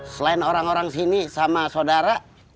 selain orang orang sini sama saudara